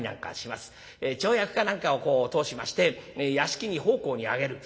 町役かなんかを通しまして屋敷に奉公に上げる。